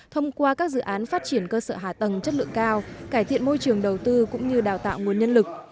thông qua các dự án phát triển cơ sở hạ tầng chất lượng cao cải thiện môi trường đầu tư cũng như đào tạo nguồn nhân lực